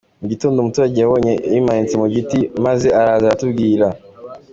Mu gitondo umuturage yamubonye yimanitse mu giti, maze araza aratubwira.